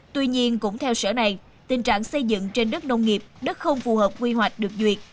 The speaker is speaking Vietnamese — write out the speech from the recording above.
tuy nhiên cũng theo sở này tình trạng xây dựng trên đất nông nghiệp đất không phù hợp quy hoạch được duyệt